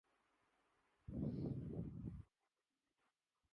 زبانِ اہلِ زباں میں ہے مرگِ خاموشی